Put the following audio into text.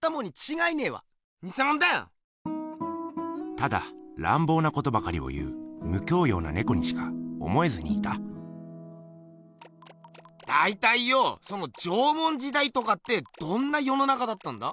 ただ乱暴なことばかりを言う無教養なねこにしか思えずにいただいたいよその縄文時代とかってどんな世の中だったんだ？